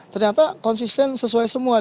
ternyata konsisten sesuai semua